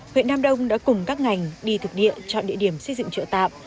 huyện nam đông đã cùng các ngành đi thực địa chọn địa điểm xây dựng chợ tạm